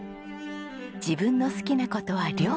自分の好きな事は料理。